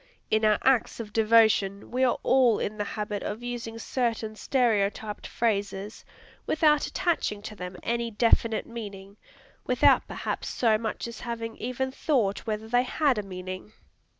In our acts of devotion, we are all in the habit of using certain stereotyped phrases, without attaching to them any definite meaning, without perhaps so much as having even thought whether they had a meaning.